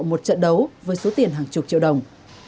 một trận đấu với số tiền hàng chục triệu đồng